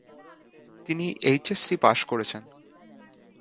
তিনি এইচএসসি পাশ করেছেন।